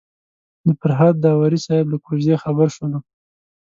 د فرهاد داوري صاحب له کوژدې خبر شولو.